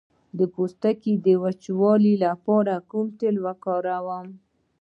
د پوستکي د وچوالي لپاره کوم تېل وکاروم؟